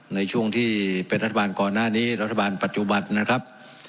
ในช่วงที่เป็นรัฐบาลก่อนหน้านี้รัฐบาลปัจจุบันนะครับ